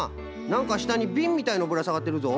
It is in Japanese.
なんかしたにビンみたいのぶらさがってるぞ。